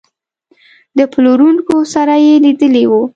د پلورونکو سره یې لیدلي وو.